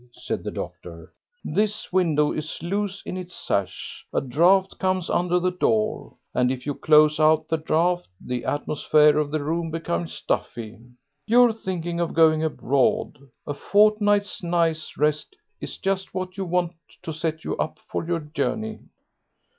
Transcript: said the doctor. "This window is loose in its sash, a draught comes under the door, and if you close out the draughts the atmosphere of the room becomes stuffy. You're thinking of going abroad; a fortnight's nice rest is just what you want to set you up for your journey."